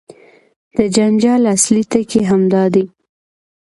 د جنجال اصلي ټکی همدا دی.